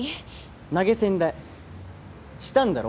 投げ銭代したんだろ？